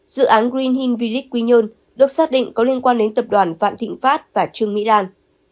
dự án green hill village quy nhơn được xác định có liên quan đến tập đoàn vạn thịnh phát và trương mỹ lan